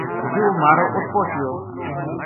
یوہ ماڑو اُت پوہچیو